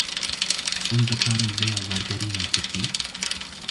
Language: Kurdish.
Hûn dikarin vêya wergerînin tirkî?